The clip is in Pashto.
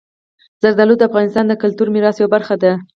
زردالو د افغانستان د کلتوري میراث یوه برخه ده.